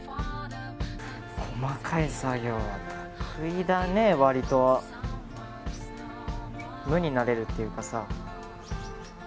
細かい作業は得意だね、割と無になれるっていうかさ。